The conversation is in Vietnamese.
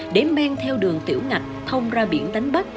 để men theo đường tiểu ngạch thông ra biển đánh bắt